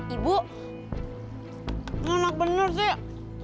ibu enak bener sih